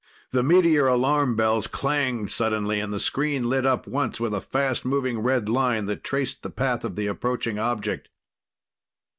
The meteor alarm bells clanged suddenly, and the screen lit up once with a fast moving red line that traced the path of the approaching object.